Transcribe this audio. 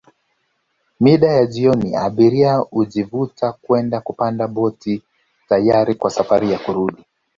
Mida ya jioni abiria hujivuta kwenda kupanda boti tayari kwa safari ya kurudi